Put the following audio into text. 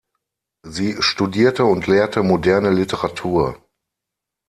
Sie studierte und lehrte moderne Literatur.